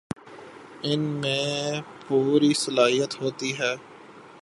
ان میں پوری صلاحیت ہوتی ہے